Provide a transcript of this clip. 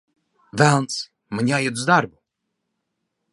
Velns, man jāiet uz darbu!